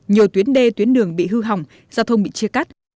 nhiều tuyến đê tuyến đường bị hư hỏng giao thông bị chia cắt